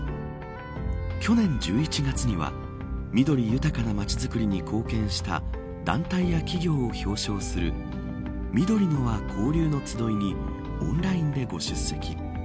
去年１１月には緑豊かな街づくりに貢献した団体や企業を表彰するみどりのわ交流のつどいにオンラインでご出席。